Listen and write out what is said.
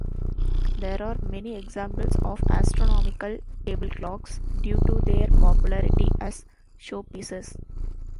There are many examples of astronomical table clocks, due to their popularity as showpieces.